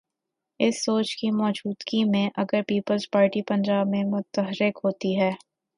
اس سوچ کی موجودگی میں، اگر پیپلز پارٹی پنجاب میں متحرک ہوتی ہے۔